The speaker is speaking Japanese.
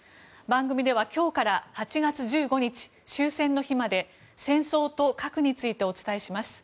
番組では今日から８月１５日、終戦の日まで戦争と核についてお伝えします。